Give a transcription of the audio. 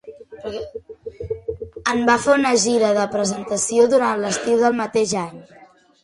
En va fer una gira de presentació durant l'estiu del mateix any.